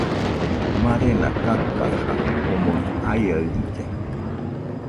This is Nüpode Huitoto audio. Marena kakaja omoɨ aiaɨrilla.